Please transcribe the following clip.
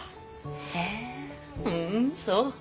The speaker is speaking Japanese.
へえふんそう。